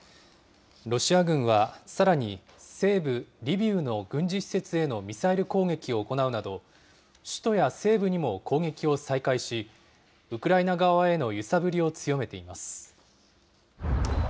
ロシア軍はさらに、西部リビウの軍事施設へのミサイル攻撃を行うなど、首都や西部にも攻撃を再開し、ウクライナ側への揺さぶりを強めています。